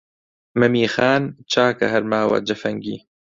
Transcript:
«مەمی خان» چاکە هەر ماوە جەفەنگی